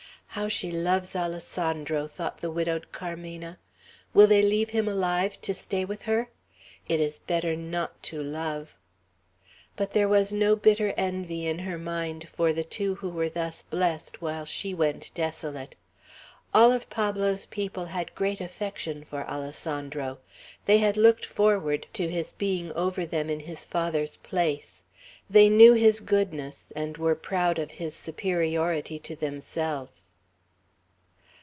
"How she loves Alessandro!" thought the widowed Carmena. "Will they leave him alive to stay with her? It is better not to love!" But there was no bitter envy in her mind for the two who were thus blest while she went desolate. All of Pablo's people had great affection for Alessandro. They had looked forward to his being over them in his father's place. They knew his goodness, and were proud of his superiority to themselves.